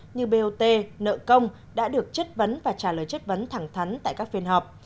như bot nợ công đã được chất vấn và trả lời chất vấn thẳng thắn tại các phiên họp